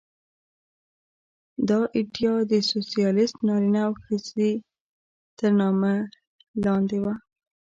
دا ایډیا د سوسیالېست نارینه او ښځه تر نامه لاندې وه